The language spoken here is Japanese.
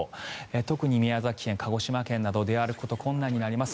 特に宮崎県、鹿児島県など出歩くことが困難になります。